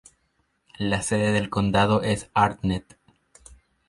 La sede del condado es Arnett.